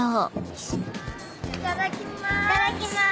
いただきます。